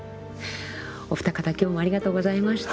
お二方今日もありがとうございました。